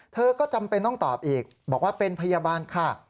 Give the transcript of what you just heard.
เธอก็จำเป็นต้องตอบอีกบอกว่าเป็นพยาบาลค่ะ